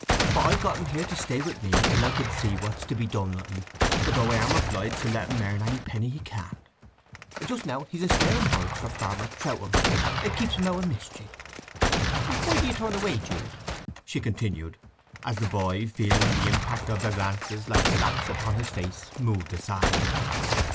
But I've got him here to stay with me till I can see what's to be done with un, though I am obliged to let him earn any penny he can. Just now he's a scaring of birds for Farmer Troutham. It keeps him out of mischty. Why do ye turn away, Jude?" she continued, as the boy, feeling the impact of their glances like slaps upon his face, moved aside.